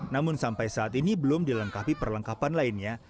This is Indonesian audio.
namun sampai saat ini belum dilengkapi perlengkapan lainnya